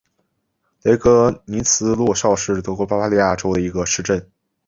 雷格尼茨洛绍是德国巴伐利亚州的一个市镇。